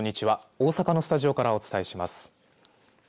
大阪のスタジオからお伝えします。